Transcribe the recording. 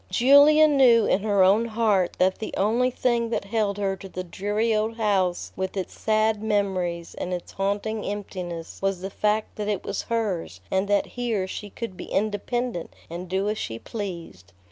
Julia knew in her own heart that the only thing that held her to the dreary old house with its sad memories and its haunting emptiness was the fact that it was hers and that here she could be independent and do as she pleased.